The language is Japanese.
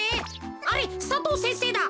あれ佐藤先生だ。